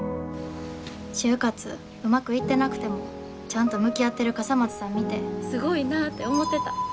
就活うまくいってなくてもちゃんと向き合ってる笠松さん見てすごいなぁって思ってた。